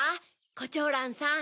コチョウランさん。